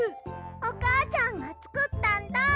おかあちゃんがつくったんだ！